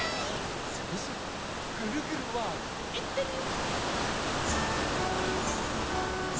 それじゃ「ぐるぐるわい！」いってみよ。